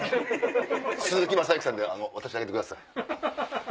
鈴木雅之さんで渡してあげてください。